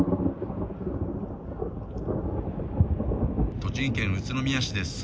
栃木県宇都宮市です。